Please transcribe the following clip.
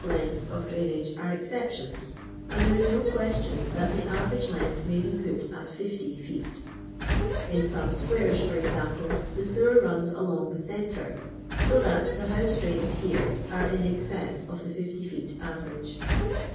m lengths of drainage are ezceptioni, and there ia DO question that the average lengUi may be put at 50 feet In •ome squarci, for example, the sewer nms along the centre, so that the honse drains here ore in excess of the 50 feet average.